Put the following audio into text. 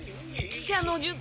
喜車の術。